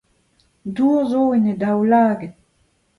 Dour zo en he daoulagad.